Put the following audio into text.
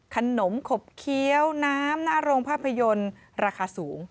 ขนมขบเคี้ยวน้ำหน้าโรงภาพยนตร์ราคาสูง